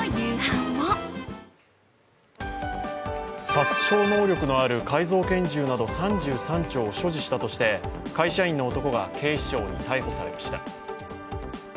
殺傷能力のある改造拳銃など３３丁を所持したとして会社員の男が警視庁に逮捕されました。